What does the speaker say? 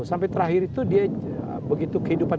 sampai terakhir itu dia begitu kehidupan